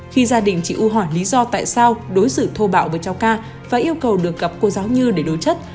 khi gia đình chị u hỏi lý do tại sao đối xử thô bạo với cháu ca và yêu cầu được gặp cô giáo như để đối chất